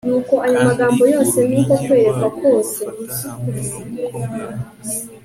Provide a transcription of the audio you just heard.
Kandi urunigi rwabo rubafata hamwe no gukomera